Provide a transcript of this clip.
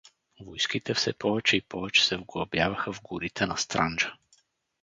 Войските все повече и повече се вглъбяваха в горите на Странджа.